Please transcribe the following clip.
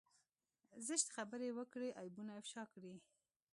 زشتې خبرې وکړي عيبونه افشا کړي.